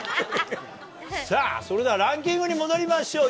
さあ、それではランキングに戻りましょう。